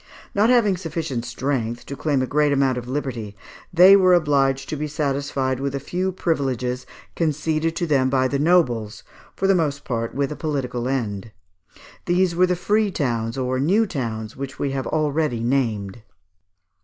Not having sufficient strength to claim a great amount of liberty, they were obliged to be satisfied with a few privileges, conceded to them by the nobles, for the most part with a political end. These were the Free Towns or New Towns which we have already named.